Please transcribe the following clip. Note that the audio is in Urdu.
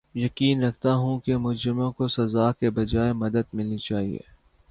یقین رکھتا ہوں کہ مجرموں کو سزا کے بجاے مدد ملنی چاھیے